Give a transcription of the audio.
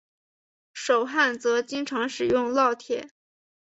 手焊则经常使用烙铁。